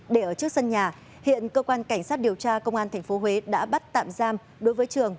để ở trước sân nhà hiện cơ quan cảnh sát điều tra công an tp huế đã bắt tạm giam đối với trường